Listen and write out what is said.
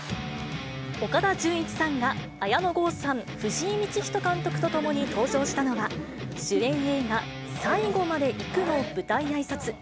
岡田准一さんが、綾野剛さん、藤井道人監督と共に、登場したのは、主演映画、最後まで行くの舞台あいさつ。